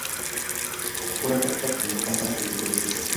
Okukola kwa takisi mu kampala kuyimiriziddwa.